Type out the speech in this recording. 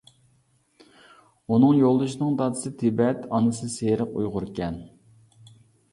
ئۇنىڭ يولدىشىنىڭ دادىسى تىبەت، ئانىسى سېرىق ئۇيغۇركەن.